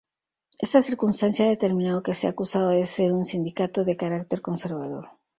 Esta circunstancia ha determinado que sea acusado de ser un sindicato de carácter conservador.